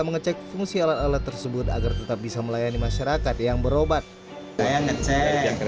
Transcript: mengecek fungsi alat alat tersebut agar tetap bisa melayani masyarakat yang berobat saya jangan